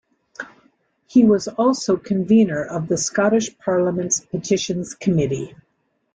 He was also convenor of the Scottish Parliament's Petitions Committee.